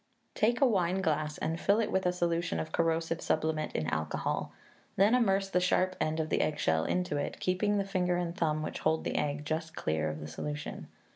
Take a wineglass and fill it with a solution of corrosive sublimate in alcohol, then immerse the sharp end of the eggshell into it, keeping the finger and thumb which hold the egg just clear of the solution.